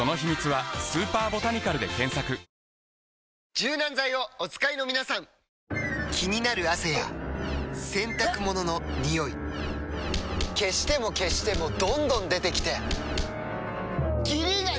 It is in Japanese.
柔軟剤をお使いの皆さん気になる汗や洗濯物のニオイ消しても消してもどんどん出てきてキリがない！